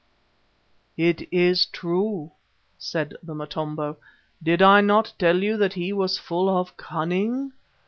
"It is true," said the Motombo. "Did I not tell you that he was full of cunning?